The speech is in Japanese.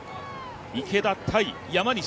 池田対山西。